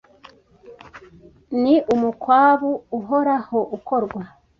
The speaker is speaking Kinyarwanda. Ni umukwabu uhoraho ukorwa